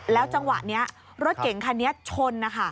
แล้วจังหวะนี้รถเก่งคันนี้ชน